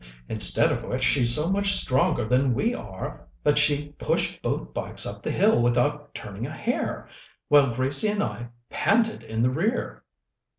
Instead of which she's so much stronger than we are that she pushed both bikes up the hill without turning a hair, while Gracie and I panted in the rear!"